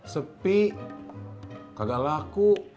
sepi kagak laku